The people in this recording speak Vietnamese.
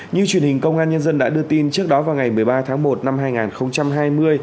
như truyền hình công an nhân dân đã đưa tin trước đó vào ngày một mươi ba tháng một năm hai nghìn hai mươi